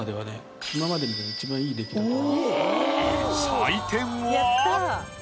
採点は。